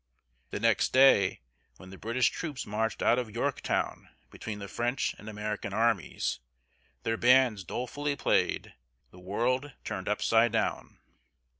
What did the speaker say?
The next day, when the British troops marched out of Yorktown between the French and American armies, their bands dolefully played: "The World Turned Upside Down."